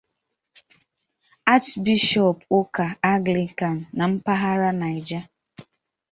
Achịbishọọpụ ụka Anglịkan na mpaghara Naịja